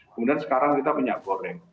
kemudian sekarang kita minyak goreng